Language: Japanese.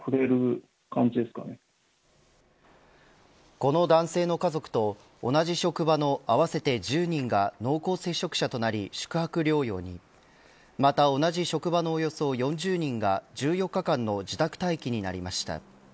この男性の家族と同じ職場の、合わせて１０人が濃厚接触者となり宿泊療養にまた同じ職場のおよそ４０人が１４日間の自宅待機になりました。